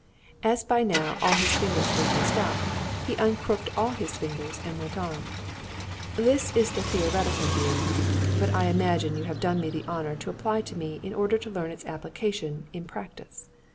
As by now all his fingers were used up, he uncrooked all his fingers and went on: "This is the theoretical view; but I imagine you have done me the honor to apply to me in order to learn its application in practice.